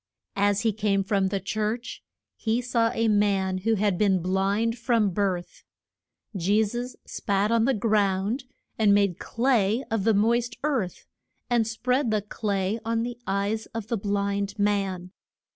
As he came from the church he saw a man who had been blind from his birth. Je sus spat on the ground and made clay of the moist earth, and spread the clay on the eyes of the blind man.